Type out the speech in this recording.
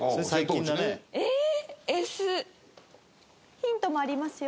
ヒントもありますよ。